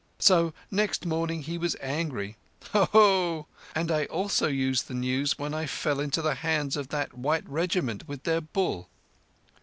So next morning he was angry. Ho! Ho! And I also used the news when I fell into the hands of that white Regiment with their Bull!"